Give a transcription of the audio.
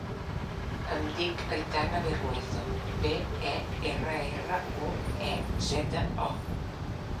Em dic Aitana Berruezo: be, e, erra, erra, u, e, zeta, o.